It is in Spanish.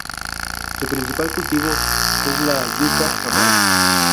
Su principal cultivo es la yuca amarga.